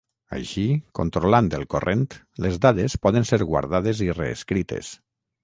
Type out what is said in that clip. Així, controlant el corrent, les dades poden ser guardades i reescrites.